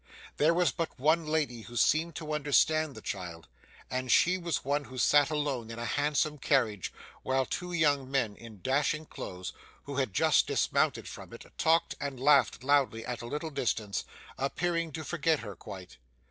There was but one lady who seemed to understand the child, and she was one who sat alone in a handsome carriage, while two young men in dashing clothes, who had just dismounted from it, talked and laughed loudly at a little distance, appearing to forget her, quite.